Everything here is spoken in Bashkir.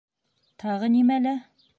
Тағы нимәлә?